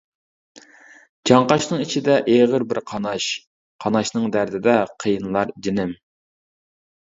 چاڭقاشنىڭ ئىچىدە ئېغىر بىر قاناش، قاناشنىڭ دەردىدە قىينىلار جېنىم.